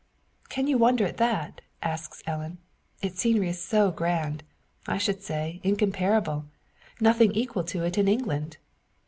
"Can you wonder at that?" asks Ellen. "Its scenery is so grand I should say, incomparable; nothing equal to it in England."